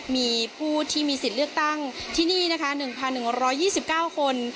มีผู้ที่มีสิทธิ์เลือกตั้งที่นี่นะคะ๑๑๒๙คน